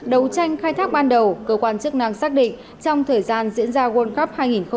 đấu tranh khai thác ban đầu cơ quan chức năng xác định trong thời gian diễn ra world cup hai nghìn hai mươi ba